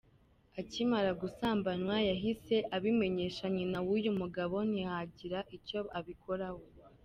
Akimara gusambanywa yahise abimenyesha nyina w’uyu mugabo, ntiyagira icyo abikoraho.